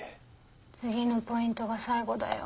次のポイントが最後だよ。